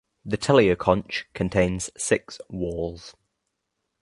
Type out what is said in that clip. The teleoconch contains six whorls.